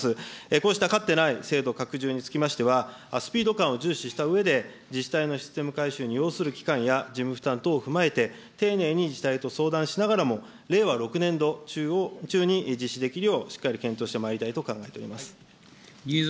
こうしたかつてない制度拡充につきましては、スピード感を重視したうえで、自治体のシステム改修に要する期間、事務負担等を踏まえて、丁寧に自治体と相談しながらも、令和６年度中に実施できるようしっかり検討してまいりたいと考えています。